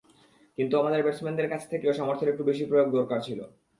কিন্তু আমাদের ব্যাটসম্যানদের কাছ থেকেও সামর্থ্যের একটু বেশি প্রয়োগ দরকার ছিল।